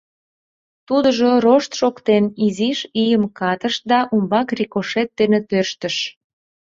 Тудыжо «рошт» шоктен изиш ийым катыш да умбак рикошет дене тӧрштыш.